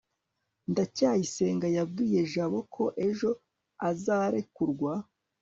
ndacyayisenga yabwiye jabo ko ejo azarekurwa